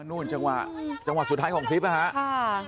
นู่นจังหวะจังหวะสุดท้ายของทริปฮะฮะค่ะ